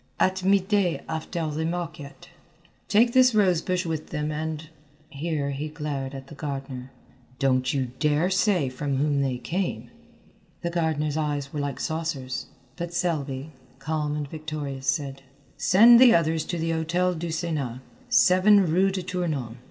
"At mid day after the market." "Take this rose bush with them, and" here he glared at the gardener "don't you dare say from whom they came." The gardener's eyes were like saucers, but Selby, calm and victorious, said: "Send the others to the Hôtel du Sénat, 7 rue de Tournon.